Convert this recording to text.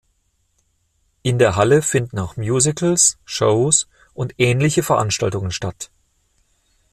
In der Halle finden auch Musicals, Shows und ähnliche Veranstaltungen statt.